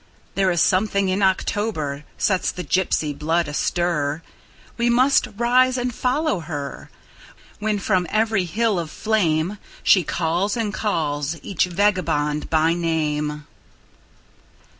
There is something in October sets the gypsy blood astir; We must rise and follow her, When from every hill of flameShe calls and calls each vagabond by name.